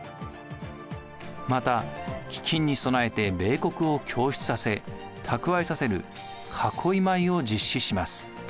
また飢饉に備えて米穀を供出させ蓄えさせる囲米を実施します。